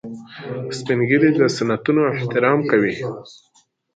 سپین ږیری د سنتونو احترام کوي